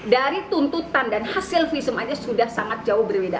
dari tuntutan dan hasil visum aja sudah sangat jauh berbeda